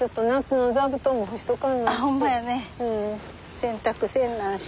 洗濯せんなんし。